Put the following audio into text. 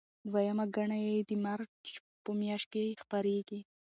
دویمه ګڼه یې د مارچ په میاشت کې خپریږي.